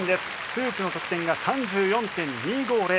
フープの得点が３４．２５０。